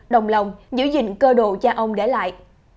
đồng lòng giữ gìn cơ độ cha ông để lại